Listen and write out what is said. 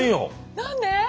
何で？